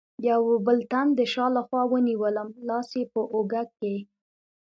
یوه بل تن د شا له خوا ونیولم، لاس یې په اوږه کې.